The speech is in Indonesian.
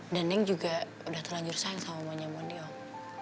dan neng juga udah telanjur sayang sama mamanya mondi om